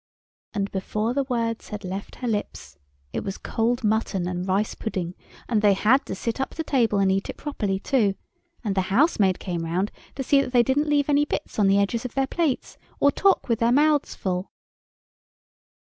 And before the words had left her lips it was cold mutton and rice pudding, and they had to sit up to table and eat it properly too, and the housemaid came round to see that they didn't leave any bits on the edges of their plates, or talk with their mouths full.